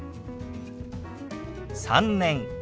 「３年」。